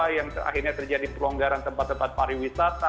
yang akhirnya terjadi pelonggaran tempat tempat pariwisata